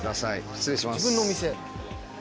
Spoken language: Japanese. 失礼します。